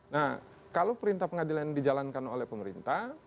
nah kalau perintah pengadilan ini dijalankan oleh pemerintah